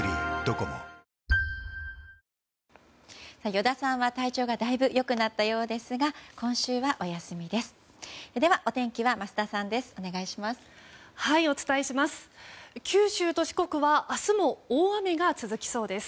依田さんは体調がだいぶ良くなったようですが今週はお休みです。